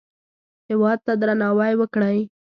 هېواد ته درناوی وکړئ